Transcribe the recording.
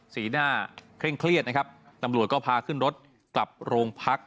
สีหน้าเคร่งเครียดนะครับตำรวจก็พาขึ้นรถกลับโรงพัก